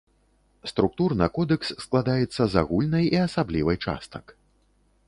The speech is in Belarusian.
Структурна кодэкс складаецца з агульнай і асаблівай частак.